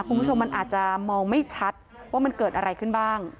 คุณผู้ชมมันอาจจะมองไม่ชัดว่ามันเกิดอะไรขึ้นบ้าง